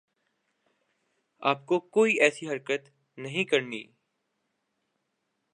آپ کو کوئی ایسی حرکت نہیں کرنی